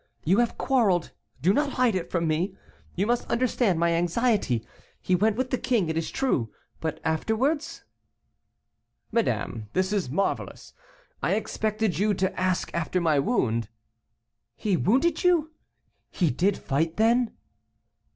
You have quarrelled do not hide it from me. You must understand my anxiety. He went with the king, it is true but afterwards?" "Madame, this is marvelous. I expected you to ask after my wound " "He wounded you; he did fight, then?"